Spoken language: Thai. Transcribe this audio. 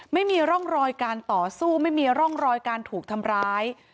ไม่มีร่องรอยการต่อสู้ไม่มีร่องรอยการถูกทำร้าย